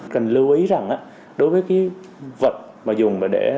cần lưu ý rằng đối với cái vật mà dùng để